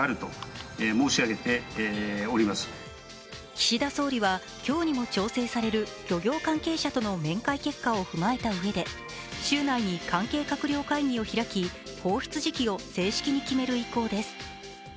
岸田総理は、今日にも調整される漁業関係者との面会結果を踏まえたうえで週内に関係閣僚会議を開き放出時期を正式に決める意向です。